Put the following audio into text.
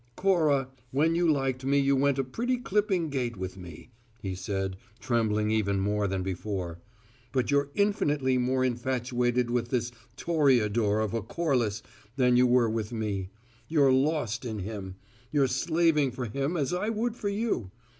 "Cora, when you liked me you went a pretty clipping gait with me," he said, trembling even more than before. "But you're infinitely more infatuated with this Toreador of a Corliss than you were with me; you're lost in him; you're slaving for him as I would for you.